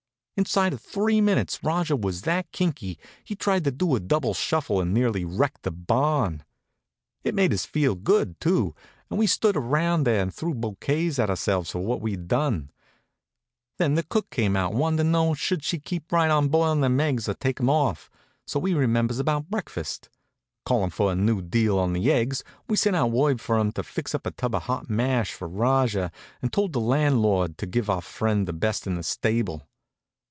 Inside of three minutes Rajah was that kinky he tried to do a double shuffle and nearly wrecked the barn. It made us feel good too, and we stood around there and threw bouquets at ourselves for what we'd done. Then the cook came out and wanted to know should she keep right on boiling them eggs or take 'em off; so we remembers about breakfast. Callin' for a new deal on the eggs, we sent out word for 'em to fix up a tub of hot mash for Rajah and told the landlord to give our friend the best in the stable.